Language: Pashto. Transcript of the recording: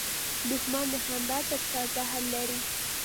دښمن د خندا تر شا زهر لري